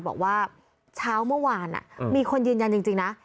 บอกว่าเช้าเมื่อวานมีคนยืนยันจริงนะ